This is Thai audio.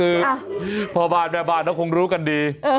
คือพอบ้านแม่บ้านผมคงรู้ถึงดี